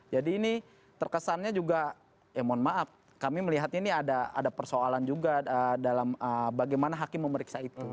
jadi ini terkesannya juga ya mohon maaf kami melihat ini ada persoalan juga dalam bagaimana hakim memeriksa itu